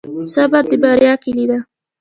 صبر د بریا کیلي ده؟